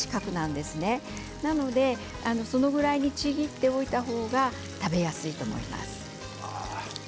ですのでそれぐらいにちぎっておいた方が食べやすくなります。